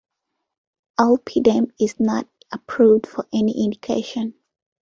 Alpidem is not approved for any indication.